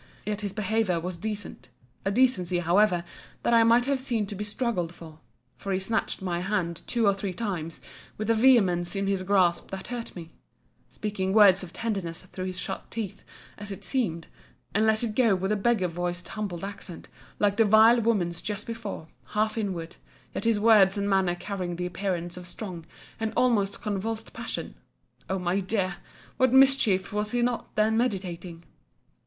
Yet his behaviour was decent—a decency, however, that I might have seen to be struggled for—for he snatched my hand two or three times, with a vehemence in his grasp that hurt me; speaking words of tenderness through his shut teeth, as it seemed; and let it go with a beggar voiced humbled accent, like the vile woman's just before; half inward; yet his words and manner carrying the appearance of strong and almost convulsed passion!—O my dear! what mischief was he not then meditating!